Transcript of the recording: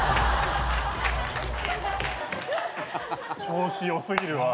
調子良すぎるわ。